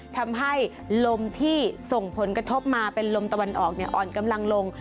ทำให้ลมที่ส่งผลกระทบมาเป็นลมตะวันออกอ่อนกำลังลง